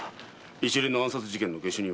一連の暗殺事件の下手人は？